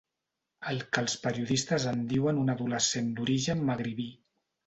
El que els periodistes en diuen un adolescent d'origen magribí.